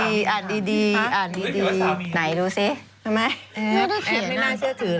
ไหนดูสิเออไม่น่าเชื่อถือเลย